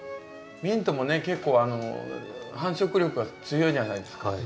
ミントもね結構繁殖力が強いじゃないですか。